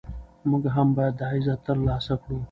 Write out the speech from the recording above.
موږ هم باید دا عزت ترلاسه کړو.